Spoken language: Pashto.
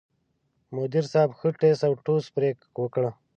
مدیر صاحب ښه ټس اوټوس پرې وکړ.